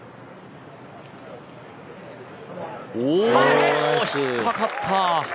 おお、引っかかった。